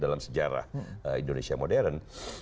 dalam sejarah indonesia modern